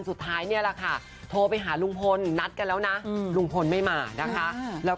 สุดท้ายนี่ละโทรไปยาลูงพลนัดกันแล้วลูงพลไม่มาแล้ว